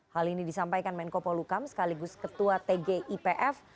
hal ini disampaikan menko polukam sekaligus ketua tg ipf